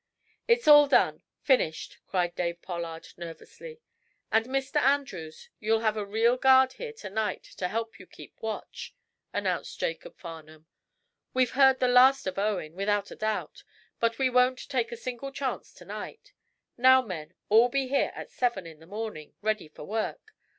"It's all done finished," cried David Pollard, nervously. "And, Mr. Andrews, you'll have a real guard here to night to help you keep watch," announced Jacob Farnum. "We've heard the last of Owen, without a doubt, but we won't take a single chance to night. Now, men, all be here at seven in the morning, ready for work.